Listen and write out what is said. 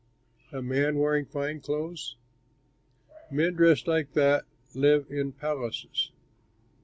A man wearing fine clothes? Men dressed like that live in palaces.